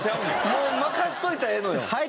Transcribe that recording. もう任しといたらええのよ。